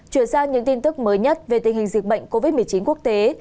chuyển sang những tin tức mới nhất về tình hình dịch bệnh covid một mươi chín quốc tế